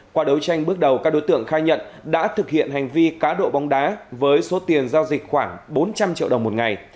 qua đấu tranh bước đầu các đối tượng khai nhận đã thực hiện hành vi cá độ bóng đá với số tiền giao dịch khoảng bốn trăm linh triệu đồng một ngày